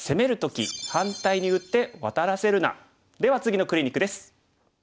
では次のクリニックです。